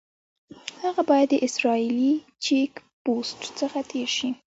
هغه باید د اسرائیلي چیک پوسټ څخه تېر شي.